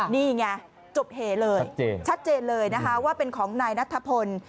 นี่ไงจบเหเลยชัดเจนเลยนะคะว่าเป็นของนายนัทพล